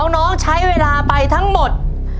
น้องใช้เวลาไปทั้งหมด